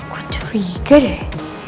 kok curiga deh